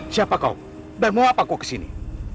siapa kau dan mau apa kau kesini